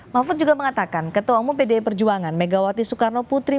mahfud juga mengatakan ketua umum pdi perjuangan megawati soekarno putri